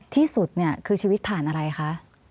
ที่สุดคือชีวิตผ่านอะไรคะ